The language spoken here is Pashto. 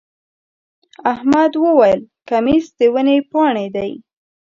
احمد وويل: کمیس د ونې پاڼې دی.